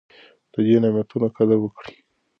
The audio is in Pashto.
د دې نعمتونو قدر وکړئ.